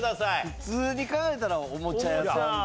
普通に考えたらおもちゃ屋さんじゃない？